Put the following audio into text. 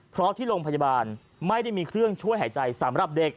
เพราะที่โรงพยาบาลไม่ได้มีเครื่องช่วยหายใจสำหรับเด็ก